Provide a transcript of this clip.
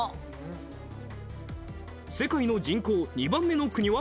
世界の人口２番目の国は？